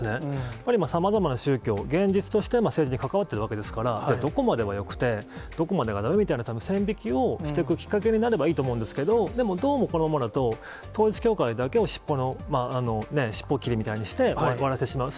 やっぱり今、さまざまな宗教、現実として政治に関わっているわけですから、どこまでがよくて、どこまでがだめみたいな、たぶん線引きをしていくきっかけになればいいと思うんですけど、でもどうもこのままだと、統一教会だけを尻尾切りみたいにして、終わらせてしまう。